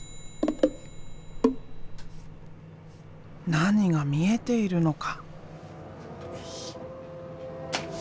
何が見えているのか？